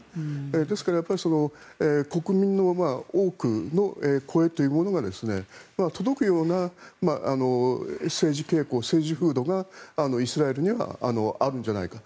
ですから国民の多くの声というものが届くような政治傾向、政治風土がイスラエルにはあるんじゃないかと。